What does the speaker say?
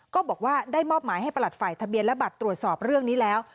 ก็บอกว่าได้มอบหมายให้ประหลัดฝ่ายทะเบียนและบัตรตรวจสอบเรื่องนี้แล้ว